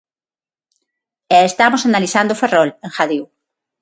"E estamos analizando Ferrol", engadiu.